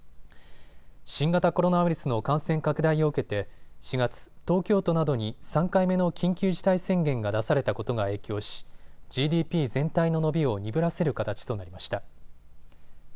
新型コロナウイルスの感染拡大を受けて４月、東京都などに３回目の緊急事態宣言が出されたことが影響しＧＤＰ全体の伸びを鈍らせる形となりました。